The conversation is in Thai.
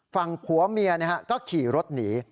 ฝั่งผัวเมียก็ขี่รถหนี